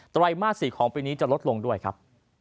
ตรายมาตรสื่อของปีนี้จะลดลงด้วยครับ